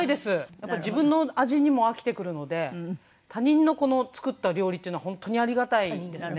やっぱり自分の味にも飽きてくるので他人の作った料理っていうのは本当にありがたいですね。